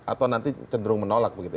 atau nanti cenderung menolak begitu ya